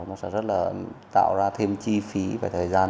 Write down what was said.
nó sẽ rất là tạo ra thêm chi phí và thời gian